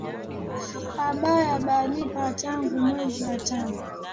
Abaya balipa tangu mwenzi wa tano